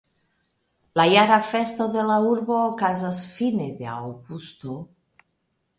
La jara festo de la urbo okazas fine de aŭgusto.